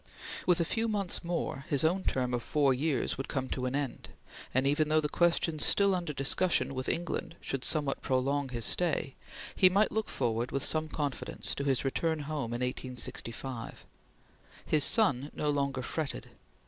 With a few months more his own term of four years would come to an end, and even though the questions still under discussion with England should somewhat prolong his stay, he might look forward with some confidence to his return home in 1865. His son no longer fretted.